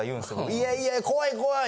「いやいや怖い怖い」